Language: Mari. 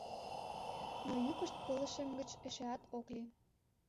Но йӱкышт пылышем гыч эшеат ок лек.